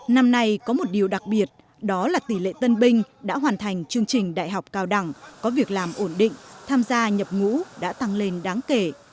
năm nay có một điều đặc biệt đó là tỷ lệ tân binh đã hoàn thành chương trình đại học cao đẳng có việc làm ổn định tham gia nhập ngũ đã tăng lên đáng kể